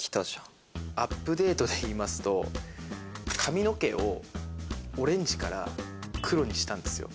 アップデートでいいますと、髪の毛をオレンジから黒にしたんですよ。